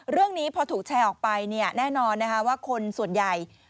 เรื่องนี้พอถูกแชร์ออกไปเนี่ยแน่นอนนะคะว่าคนส่วนใหญ่